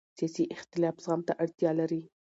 سیاسي اختلاف زغم ته اړتیا لري